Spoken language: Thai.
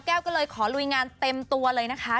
ก็เลยขอลุยงานเต็มตัวเลยนะคะ